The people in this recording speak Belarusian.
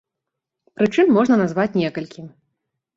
Прычын можна назваць некалькі.